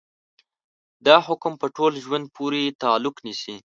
دا حکم په ټول ژوند پورې تعلق نيسي.